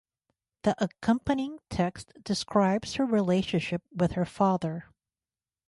The accompanying text describes her relationship with her father.